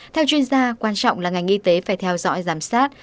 theo chuyên gia quan trọng là ngành y tế phải theo dõi giám sát